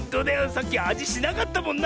さっきあじしなかったもんな。